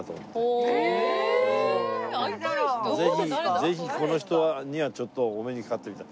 ぜひこの人にはちょっとお目にかかってみたい。